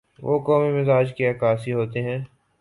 وہ قومی مزاج کے عکاس ہوتے ہیں۔